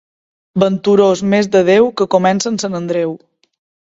Venturós mes de Déu que comença amb Sant Andreu.